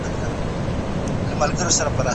سردار اکبرخان د وطن ساتنه وکړه